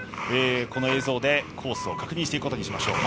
この映像でコースを確認します。